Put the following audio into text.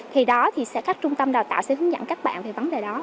thì đó thì sẽ các trung tâm đào tạo sẽ hướng dẫn các bạn về vấn đề đó